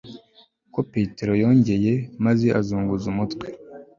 ko petero yongeye , maze azunguza umutwe